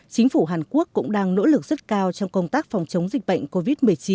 chính phủ hàn quốc cũng đang nỗ lực rất cao trong công tác phòng chống dịch bệnh covid một mươi chín